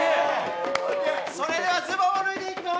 それではズボンを脱いでいきます。